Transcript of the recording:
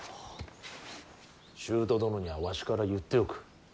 舅殿にはわしから言っておく。